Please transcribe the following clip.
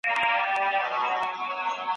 په جرګو یې سره خپل کړې مختورن یې دښمنان کې